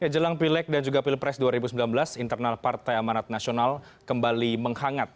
jelang pilek dan juga pilpres dua ribu sembilan belas internal partai amanat nasional kembali menghangat